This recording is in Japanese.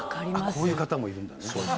こういう方もいるんだね。